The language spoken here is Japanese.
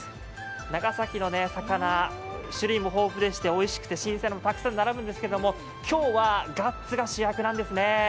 長崎の魚、種類も豊富でして新鮮でおいしいものがたくさん並ぶんですけども、今日はガッツが主役なんですね。